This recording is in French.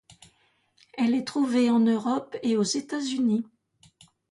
Elle est trouvée en Europe et aux États-Unis.